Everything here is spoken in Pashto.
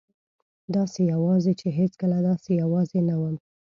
داسې یوازې چې هېڅکله داسې یوازې نه وم.